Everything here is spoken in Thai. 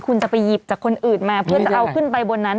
คุณจะไปหยิบจากคนอื่นมาเพื่อจะเอาขึ้นไปบนนั้น